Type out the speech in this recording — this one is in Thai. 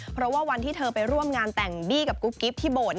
เพราะว่าวันที่เธอไปร่วมงานแต่งบี้กับกุ๊กกิ๊บที่โบสถ